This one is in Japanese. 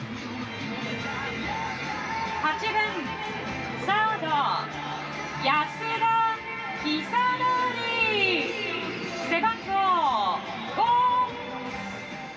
８番サード、安田尚憲背番号５。